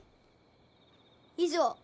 以上。